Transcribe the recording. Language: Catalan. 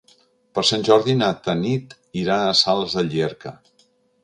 Per Sant Jordi na Tanit irà a Sales de Llierca.